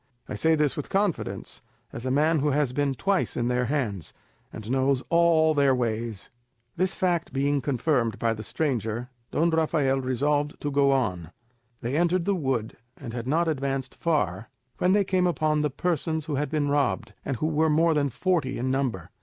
I say this with confidence, as a man who has been twice in their hands, and knows all their ways." This fact being confirmed by the stranger, Don Rafael resolved to go on. They entered the wood, and had not advanced far, when they came upon the persons who had been robbed, and who were more than forty in number.